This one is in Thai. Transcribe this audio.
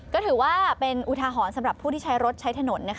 ก็ถือว่าเป็นอุทาหรณ์สำหรับผู้ที่ใช้รถใช้ถนน